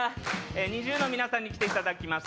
ＮｉｚｉＵの皆さんに来ていただきました